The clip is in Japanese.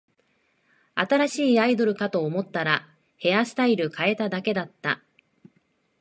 新しいアイドルかと思ったら、ヘアスタイル変えただけだった